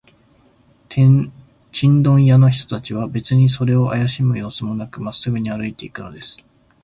チンドン屋の人たちは、べつにそれをあやしむようすもなく、まっすぐに歩いていくのです。